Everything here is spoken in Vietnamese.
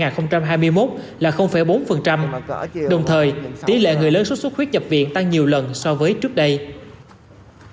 đồng thời tỷ lệ người lớn sốt xuất huyết nhập viện tăng nhiều lần so với trước đây